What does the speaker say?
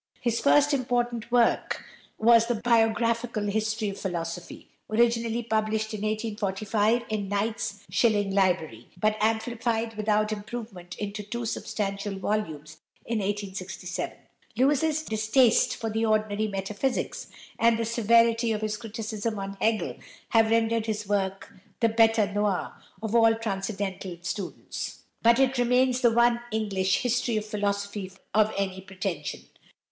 His first important work was the "Biographical History of Philosophy," originally published in 1845 in Knight's Shilling Library, but amplified without improvement into two substantial volumes in 1867. Lewes's distaste for the ordinary metaphysics, and the severity of his criticism on Hegel, have rendered this work the bête noir of all transcendental students; but it remains the one English "History of Philosophy" of any pretension.